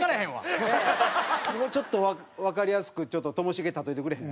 もうちょっとわかりやすくちょっとともしげ例えてくれへん？